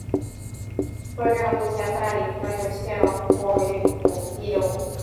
车站目前办理专用线货运业务。